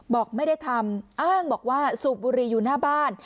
บอกไม่ได้ทำอ้างบอกว่าสูบบุหรี่อยู่หน้าบ้าน